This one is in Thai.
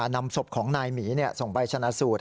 นำศพของนายหมีส่งไปชนะสูตร